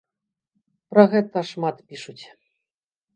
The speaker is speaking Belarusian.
Пра гэта шмат пішуць.